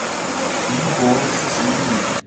民国四十一年应邀于政工干校音乐科兼课。